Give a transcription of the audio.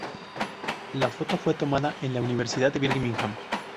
La foto fue tomada en la Universidad de Birmingham.